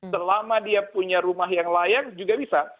selama dia punya rumah yang layak juga bisa